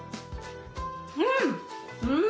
うん！